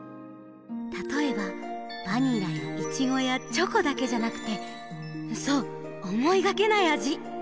たとえばバニラやイチゴやチョコだけじゃなくてそうおもいがけないあじ！